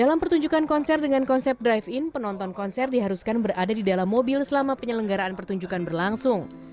dalam pertunjukan konser dengan konsep drive in penonton konser diharuskan berada di dalam mobil selama penyelenggaraan pertunjukan berlangsung